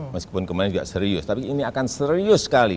meskipun kemarin juga serius tapi ini akan serius sekali